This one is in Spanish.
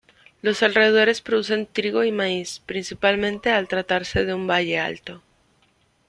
Los alrededores producen trigo y maíz, principalmente, al tratarse de un valle alto.